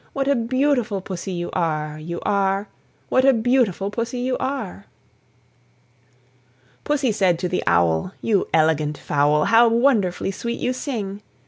What a beautiful Pussy you are, You are, What a beautiful Pussy you are!" Pussy said to the Owl, "You elegant fowl! How wonderful sweet you sing!